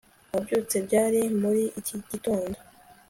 Wabyutse ryari muri iki gitondo